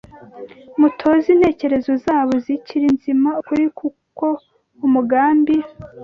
Mutoze intekerezo zabo zikiri nzima ukuri k’uko umugambi